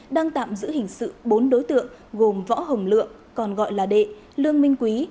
đang tạm giữ hình sự bốn đối tượng gồm võ hồng lượng còn gọi là đệ lương minh quý